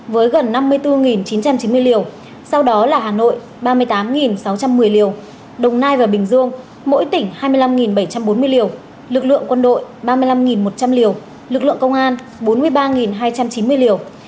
với gần năm mươi bốn chín trăm chín mươi liều sau đó là hà nội ba mươi tám sáu trăm một mươi liều đồng nai và bình dương mỗi tỉnh hai mươi năm bảy trăm bốn mươi liều lực lượng quân đội ba mươi năm một trăm linh liều lực lượng công an bốn mươi ba hai trăm chín mươi liều